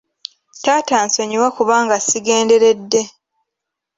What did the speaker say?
Taata nsonyiwa kubanga sigenderedde.